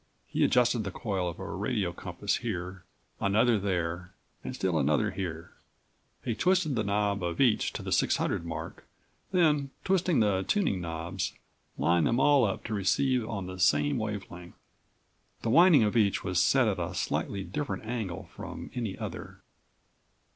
He adjusted the coil of a radio compass here, another there and still another here. He twisted the knob of each to the 600 mark, then, twisting the tuning knobs, lined them all up to receive on the same wave length. The winding of each was set at a slightly different angle from any other.